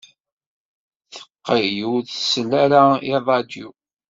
Teqqel ur tsell ara i ṛṛadyu.